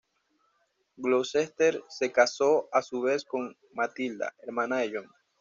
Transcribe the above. Gloucester se casó a su vez con Matilda, hermana de John.